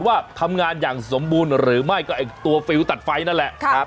ว่าทำงานอย่างสมบูรณ์หรือไม่ก็ไอ้ตัวฟิลตัดไฟนั่นแหละ